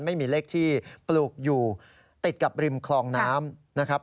ไม่มีเลขที่ปลูกอยู่ติดกับริมคลองน้ำนะครับ